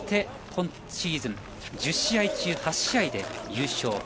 今シーズン１０試合中８試合で優勝。